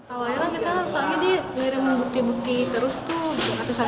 awalnya kan kita soalnya di ngirim bukti bukti terus tuhan